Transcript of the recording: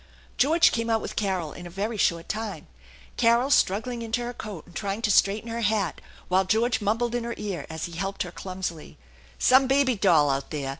Gteorge came out with Carol in a very short time, Carol struggling into her coat and trying to straighten her hat, while George mumbled in her ear as he helped her clumsily: " Some baby doll out there